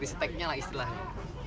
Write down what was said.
diseteknya lah istilahnya